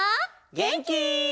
げんき？